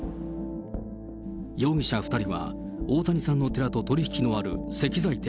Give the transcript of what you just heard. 容疑者２人は大谷さんの寺と取り引きのある石材店、